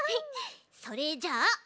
それじゃあたま